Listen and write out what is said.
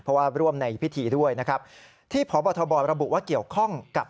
เพราะว่าร่วมในพิธีด้วยนะครับที่พบทบระบุว่าเกี่ยวข้องกับ